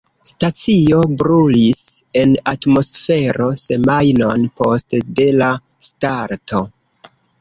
Stacio brulis en atmosfero semajnon post de la starto.